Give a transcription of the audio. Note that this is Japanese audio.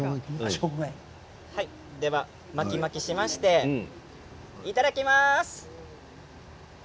では巻き巻きしましていただきます。